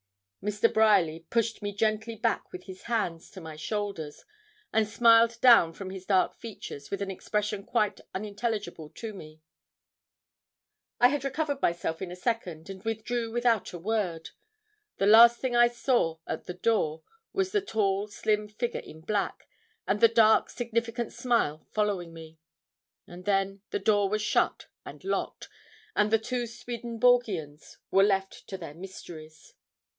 Mr. Bryerly pushed me gently back with his hands to my shoulders, and smiled down from his dark features with an expression quite unintelligible to me. I had recovered myself in a second, and withdrew without a word. The last thing I saw at the door was the tall, slim figure in black, and the dark, significant smile following me: and then the door was shut and locked, and the two Swedenborgians were left to their mysteries.